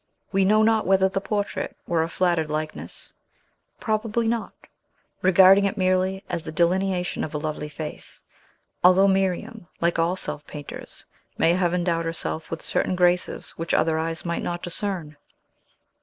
We know not whether the portrait were a flattered likeness; probably not, regarding it merely as the delineation of a lovely face; although Miriam, like all self painters, may have endowed herself with certain graces which Other eyes might not discern.